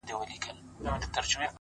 • خلاصه خوله کي دوه غاښونه ځلېدلي,